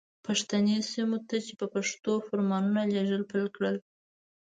پښتني سیمو ته یې په پښتو فرمانونه لېږل پیل کړل.